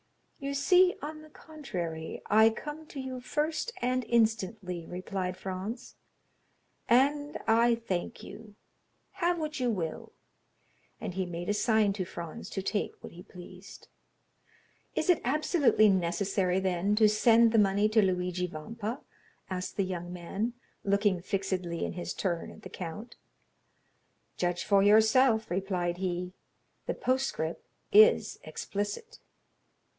"You see, on the contrary, I come to you first and instantly," replied Franz. "And I thank you; have what you will;" and he made a sign to Franz to take what he pleased. "Is it absolutely necessary, then, to send the money to Luigi Vampa?" asked the young man, looking fixedly in his turn at the count. "Judge for yourself," replied he. "The postscript is explicit."